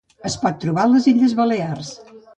Es pot trobar a les Illes Balears.